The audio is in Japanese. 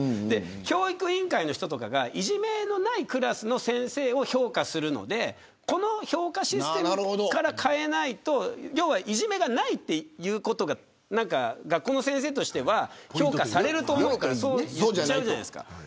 教育委員会の人とかがいじめのないクラスの先生を評価するのでこの評価システムから変えないと要は、いじめがないということが学校の先生としては評価されると思っているじゃないですか。